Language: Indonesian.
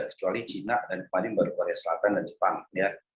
kecuali china dan kemarin baru korea selatan dan jepang ya